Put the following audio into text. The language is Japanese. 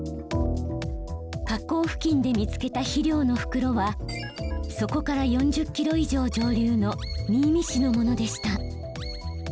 河口付近で見つけた肥料の袋はそこから４０キロ以上上流の新見市のものでした。